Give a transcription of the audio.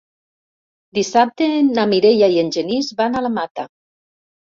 Dissabte na Mireia i en Genís van a la Mata.